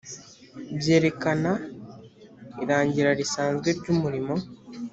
byerekana irangira risanzwe ry’ umurimo